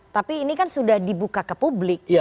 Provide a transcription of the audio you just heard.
tapi ini kan sudah dibuka ke publik